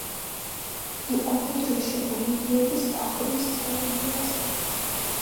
იყო მედროშე ოლიმპიადის დახურვის ცერემონიაზე.